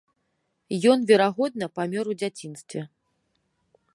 Ён верагодна, памёр у дзяцінстве.